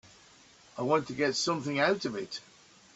I want to get something out of it.